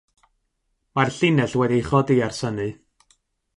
Mae'r llinell wedi'i chodi ers hynny.